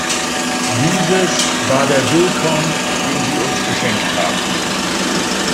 Dieses war der Willkomm, den sie uns geschenkt haben.